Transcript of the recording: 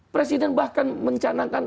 presiden bahkan mencanangkan